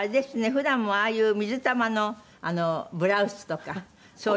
普段もああいう水玉のブラウスとかそういう派手な洋服。